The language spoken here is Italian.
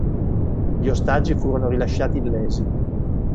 Gli ostaggi furono rilasciati illesi.